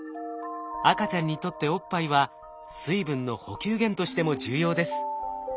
赤ちゃんにとっておっぱいは水分の補給源としても重要です。